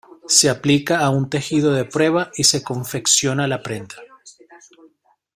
Se aplica a un tejido de prueba y se confecciona la prenda.